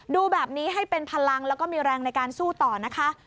ดูแบบนี้ให้เป็นพลังแล้วก็มีแรงในการสู้ต่อนะคะ